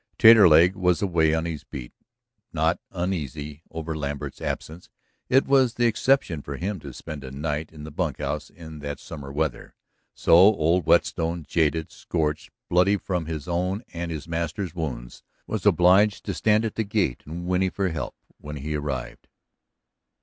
Taterleg was away on his beat, not uneasy over Lambert's absence. It was the exception for him to spend a night in the bunkhouse in that summer weather. So old Whetstone, jaded, scorched, bloody from his own and his master's wounds, was obliged to stand at the gate and whinny for help when he arrived.